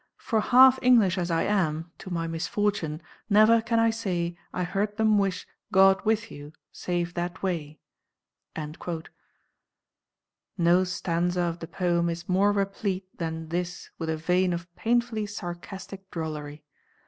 for half English as I am (To my misfortune) never can I say I heard them wish 'God with you,' save that way." No stanza of the poem is more replete than this with a vein of painfully sarcastic drollery.